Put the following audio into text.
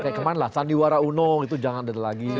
kayak kemana lah sandiwara uno itu jangan ada lagi